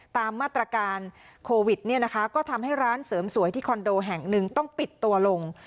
ตามมาตรการโควิดเนี่ยนะคะก็ทำให้ร้านเสริมสวยที่คอนโดแห่งหนึ่งต้องปิดตัวลง